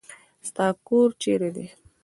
ستا کور چيري دی.